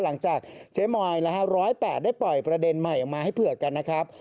หลังจากเจ๊มอย๑๐๘ได้ปล่อยประเด็นใหม่ออกมาให้เผื่อกันนะครับ